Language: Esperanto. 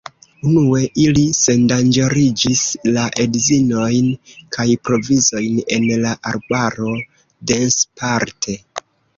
Unue, ili sendanĝeriĝis la edzinojn kaj provizojn en la arbaro densparte.